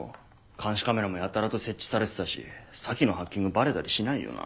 監視カメラもやたらと設置されてたし咲のハッキングバレたりしないよな？